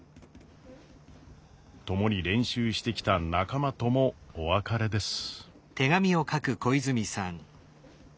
共に練習してきた仲間ともお別れです。